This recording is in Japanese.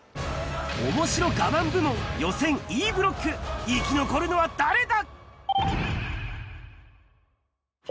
面白我慢部門、予選Ｅブロック、生き残るのは誰だ？